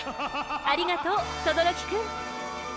ありがとう軣くん！